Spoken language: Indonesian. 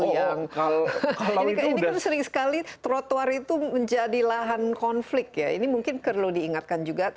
ini kan sering sekali trotoar itu menjadi lahan konflik ya ini mungkin perlu diingatkan juga